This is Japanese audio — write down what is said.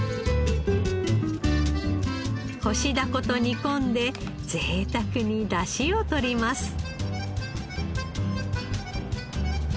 干ダコと煮込んでぜいたくに出汁を取ります。